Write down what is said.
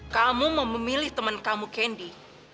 kamu memilih temen kamu candy